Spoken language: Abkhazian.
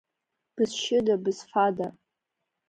Бызшьыда, бызфада?!